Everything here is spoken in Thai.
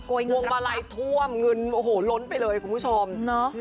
พวงมาลัยท่วมเงินโอ้โหล้นไปเลยคุณผู้ชมเนอะ